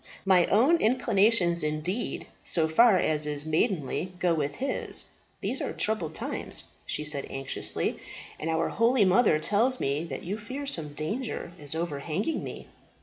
My own inclinations indeed, so far as is maidenly, go with his. These are troubled times," she said anxiously, "and our holy mother tells me that you fear some danger is overhanging me."